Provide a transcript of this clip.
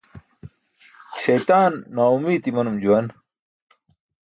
Śaytaan naaomiit imanum juwan.